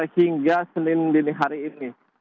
hingga senin dini hari ini